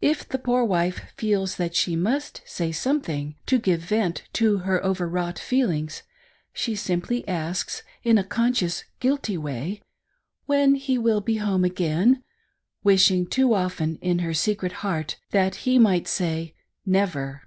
If the poor wife feels that she must say something, to give vent to her overwrought feelings, she simply asks in a conscious, guilty way, when he will be home again ; wishing too often in her secret heart SPARING A WIFE'S FEELINGS. 421 that he might say — Never.